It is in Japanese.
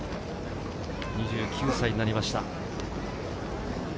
２９歳になりました。